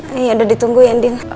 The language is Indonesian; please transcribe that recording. eh udah ditunggu ya din